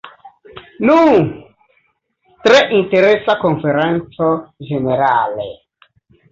Nu, tre interesa konferenco ĝenerale.